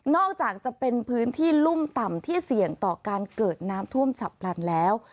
อกจากจะเป็นพื้นที่รุ่มต่ำที่เสี่ยงต่อการเกิดน้ำท่วมฉับพลันแล้ว